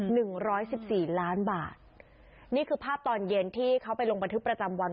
หนึ่งร้อยสิบสี่ล้านบาทนี่คือภาพตอนเย็นที่เขาไปลงบันทึกประจำวัน